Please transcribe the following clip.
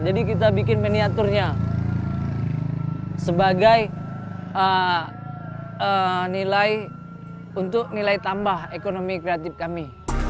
jadi kita bikin miniaturnya sebagai nilai untuk nilai tambah ekonomi kreatif kami